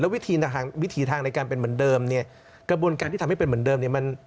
แล้ววิธีทางในการเป็นเหมือนเดิมกระบวนการที่ทำให้เป็นเหมือนเดิม